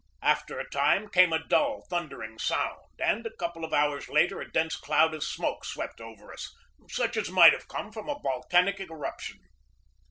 After a time came a dull, thundering sound, and a couple of hours later a dense cloud of smoke swept over us, such as might have come from a volcanic eruption.